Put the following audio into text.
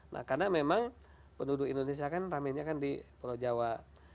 nah karena memang penduduk indonesia kan ramenya kan di pulau jawa